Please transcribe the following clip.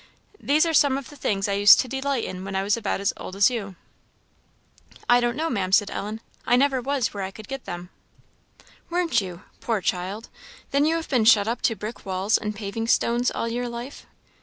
These are some of the things I used to delight in when I was about as old as you." "I don't know, Maam," said Ellen. "I never was where I could get them." "Weren't you? Poor child! Then you have been shut up to brick walls and paving stones all your life?"